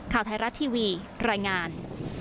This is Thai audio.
ข่าวไทยรัฐทีวีรายงาน